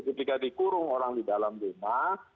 ketika dikurung orang di dalam rumah